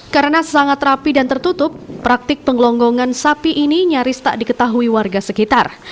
karena sangat rapi dan tertutup praktik penggelonggongan sapi ini nyaris tak diketahui warga sekitar